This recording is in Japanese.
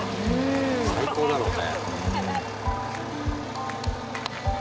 最高だろうね。